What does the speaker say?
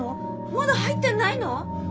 まだ入ってないの？